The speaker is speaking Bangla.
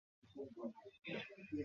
এটি মাধ্যমিক শিক্ষা প্রতিষ্ঠান।